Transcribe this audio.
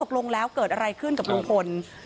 ตกลงแล้วเกิดอะไรขึ้นกับลุงพล